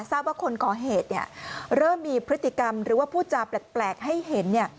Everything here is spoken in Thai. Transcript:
ทราบว่าคนก่อเหตุเริ่มมีพฤติกรรมหรือว่าพูดจาแปลกให้เห็น